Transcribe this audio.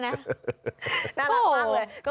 น่ารักมากเลย